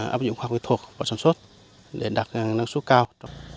áp dụng khoa học kỹ thuật vào sản xuất để đạt năng suất cao